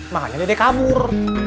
makanya dede kabur